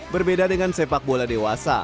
berbeda dengan sepak bola dewasa